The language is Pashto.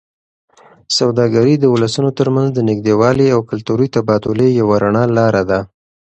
سوداګري د ولسونو ترمنځ د نږدېوالي او کلتوري تبادلې یوه رڼه لاره ده.